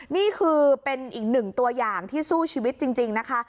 นี่คือเป็นอีกหนึ่งตัวอย่างที่สู้ชีวิตจริงนะคะ